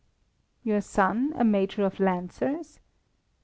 "Your son a major of Lancers!